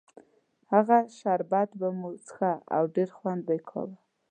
هغه شربت به مو څښه او ډېر خوند یې کاوه.